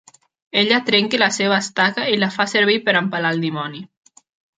Ella trenca la seva estaca i la fa servir per empalar el dimoni.